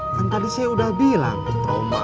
kan tadi saya udah bilang